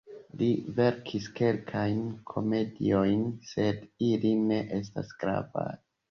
Li verkis kelkajn komediojn, sed ili ne estas gravaj.